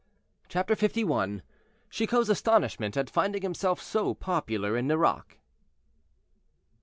CHAPTER LI. CHICOT'S ASTONISHMENT AT FINDING HIMSELF SO POPULAR IN NERAC.